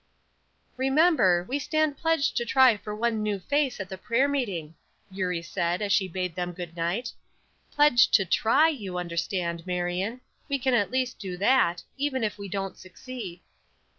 "Remember, we stand pledged to try for one new face at the prayer meeting," Eurie said, as she bade them good night. "Pledged to try, you understand, Marion, we can at least do that, even if we don't succeed."